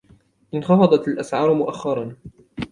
انخفضت الأسعار مؤخراً.